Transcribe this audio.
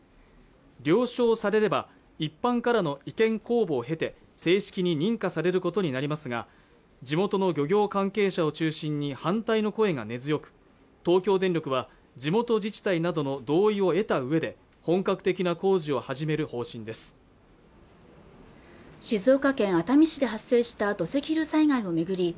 了承されれば一般からの意見公募を経て正式に認可されることになりますが地元の漁業関係者を中心に反対の声が根強く東京電力は地元自治体などの同意を得たうえで本格的な工事を始める方針です静岡県熱海市で発生した土石流災害を巡り